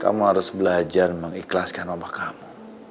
kamu harus belajar mengikhlaskan wabah kamu